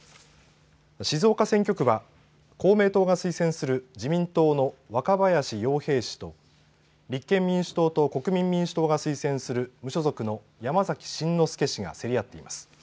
静岡選挙区は公明党が推薦する自民党の若林洋平氏と立憲民主党と国民民主党が推薦する無所属の山崎真之輔氏が競り合っています。